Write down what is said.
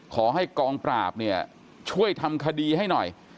ขอให้กองปราบเนี่ยช่วยทำคดีให้หน่อย